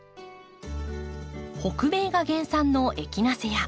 北米が原産のエキナセア。